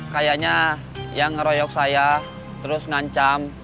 kayaknya yang ngeroyok saya terus ngancam